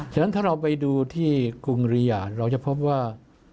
ฉะนั้นถ้าเราไปดูที่กรุงริยาเราจะพบว่า